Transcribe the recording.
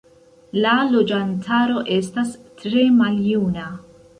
La loĝantaro estas tre maljuna.